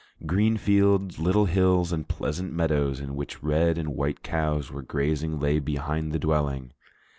Green fields, little hills, and pleasant meadows in which red and white cows were grazing lay behind the dwelling.